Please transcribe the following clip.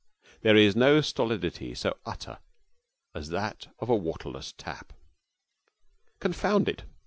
There is no stolidity so utter as that of a waterless tap. 'Confound it!'